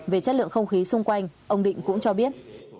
về chất lượng không khí xung quanh ông định cũng cho biết